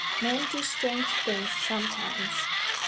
'Men do strange things sometimes.